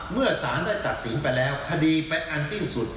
เมื่อสารได้ตัดสินไปแล้วคดีเป็นอันสิ้นสุด